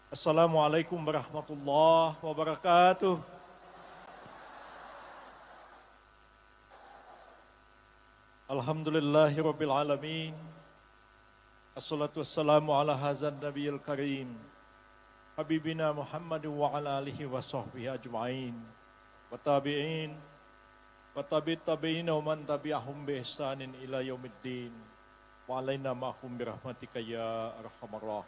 assalamualaikum warahmatullahi wabarakatuh